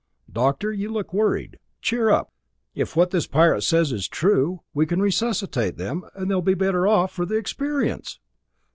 Doctor, you look worried! Cheer up. If what this pirate says is true, we can resuscitate them, and they'll be better off for the experience!"